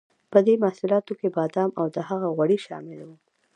په دې محصولاتو کې بادام او د هغه غوړي شامل وو.